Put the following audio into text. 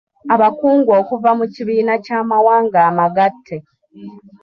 Abakungu okuva mu kibiina ky’Amawanga amagatte.